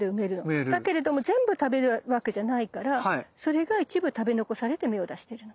だけれども全部食べるわけじゃないからそれが一部食べ残されて芽を出してるの。